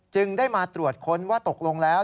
จึงได้มาตรวจค้นว่าตกลงแล้ว